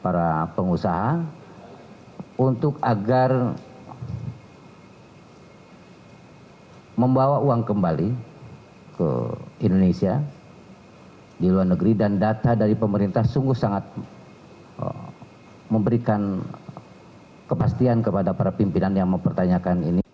para pengusaha untuk agar membawa uang kembali ke indonesia di luar negeri dan data dari pemerintah sungguh sangat memberikan kepastian kepada para pimpinan yang mempertanyakan ini